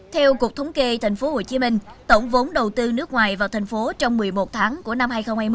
theo cuộc thống kê thành phố hồ chí minh tổng vốn đầu tư nước ngoài vào thành phố trong một mươi một tháng của năm hai nghìn hai mươi